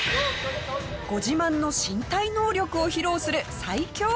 ご自慢の身体能力を披露する最強おじいさん。